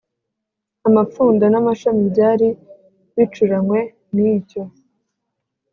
Amapfundo n amashami byari bicuranywe n icyo